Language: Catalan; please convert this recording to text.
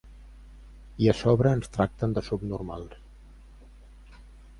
I a sobre ens tracten de subnormals.